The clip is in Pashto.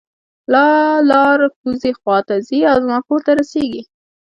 دا لار کوزۍ خوا ته ځي او زما کور ته رسیږي